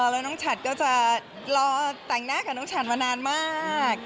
แล้วน้องฉัดก็จะรอแต่งหน้ากับน้องฉัดมานานมาก